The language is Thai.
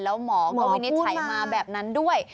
แล้วหมอก็วินิจฉัยมาแบบนั้นด้วย